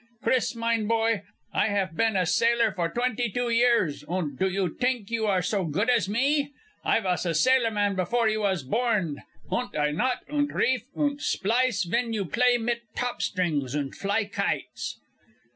Chris, mine boy, I haf ben a sailorman for twenty two years, und do you t'ink you are so good as me? I vas a sailorman pefore you vas borned, und I knot und reef und splice ven you play mit topstrings und fly kites."